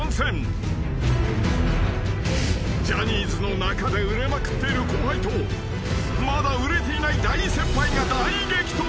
［ジャニーズの中で売れまくっている後輩とまだ売れていない大先輩が大激突］